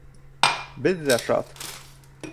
Беҙ ҙә шат